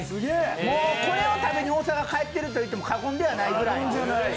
もうこれを食べに大阪に帰っていると言っても過言ではないくらい。